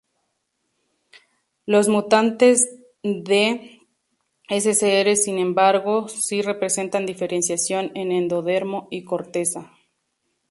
Los mutantes de "scr" sin embargo, sí presentan diferenciación en endodermo y corteza.